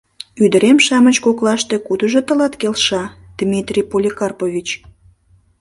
Ӱдырем-шамыч коклаште кудыжо тылат келша, Дмитрий Поликарпович?